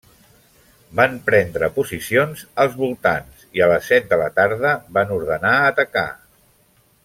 Van prendre posicions als voltants i a les set de la tarda, van ordenar atacar.